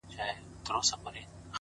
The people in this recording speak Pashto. وړی يې له ځان سره په پور دی لمبې کوي”